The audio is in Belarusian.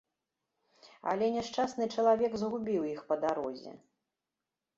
Але няшчасны чалавек згубіў іх па дарозе.